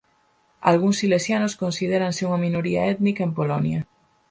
Algúns silesianos considéranse unha minoría étnica en Polonia.